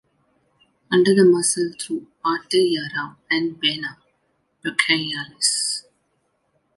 Under the muscle through ""Arteria"" and "Vena brachialis".